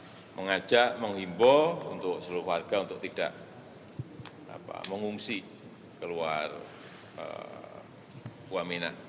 saya mengajak menghimbau untuk seluruh warga untuk tidak mengungsi keluar wamena